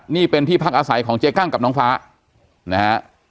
นี่เป็นที่พักอาศัยของเจ๊กั้งกับน้องฟ้านะฮะ